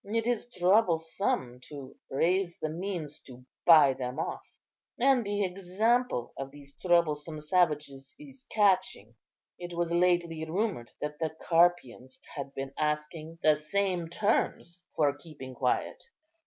It is troublesome to raise the means to buy them off. And the example of these troublesome savages is catching; it was lately rumoured that the Carpians had been asking the same terms for keeping quiet."